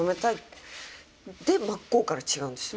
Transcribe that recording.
で真っ向から違うんです。